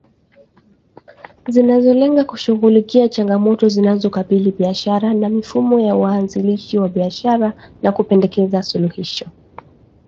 Zinazolenga kushughulikia changamoto zinazokabili biashara na mifumo ya waanzilishi wa biashara na kupendekeza suluhisho.